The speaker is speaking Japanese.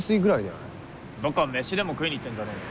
どっか飯でも食いに行ってんじゃねえの？